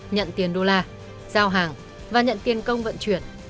nhận tiền đô la giao hàng và nhận tiền công vận chuyển